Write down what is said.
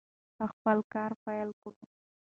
او خپل کار پیل کړو.